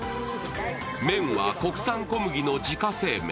麺は国産小麦の自家製麺。